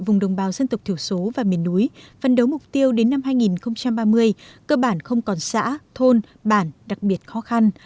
vùng đồng bào dân tộc thiểu số và miền núi phân đấu mục tiêu đến năm hai nghìn ba mươi cơ bản không còn xã thôn bản đặc biệt khó khăn